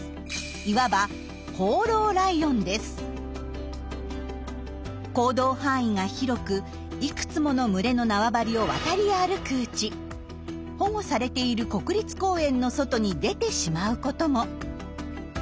いわば行動範囲が広くいくつもの群れの縄張りを渡り歩くうち保護されている国立公園の外に出てしまうことも。